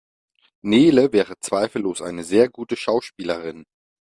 Nele wäre zweifellos eine sehr gute Schauspielerin.